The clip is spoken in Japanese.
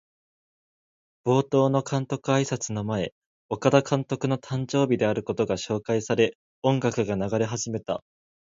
冒頭の監督あいさつの前、岡田監督の誕生日であることが紹介され、音楽が流れ始めた。